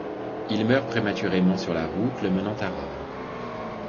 Il meurt prématurément sur la route le menant à Rome.